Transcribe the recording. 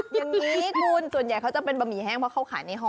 อย่างนี้คุณส่วนใหญ่เขาจะเป็นบะหมี่แห้งเพราะเขาขายในห่อ